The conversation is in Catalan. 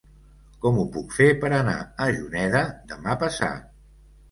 Com ho puc fer per anar a Juneda demà passat?